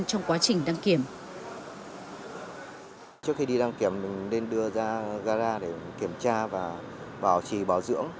trước khi đi đăng kiểm mình nên đưa ra gara để kiểm tra và bảo trì bảo dưỡng